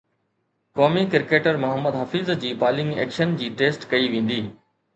قومي ڪرڪيٽر محمد حفيظ جي bowling action جي ٽيسٽ ڪئي ويندي